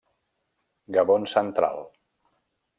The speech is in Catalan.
Gabon central.